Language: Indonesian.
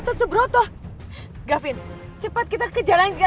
dan mereka juga menangkapnya